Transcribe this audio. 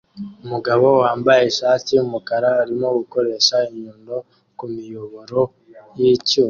Umugabo wambaye ishati yumukara arimo gukoresha inyundo kumiyoboro yicyuma